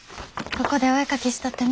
ここでお絵描きしとってね。